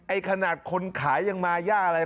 ขนาดคนขายยังมายากอะไร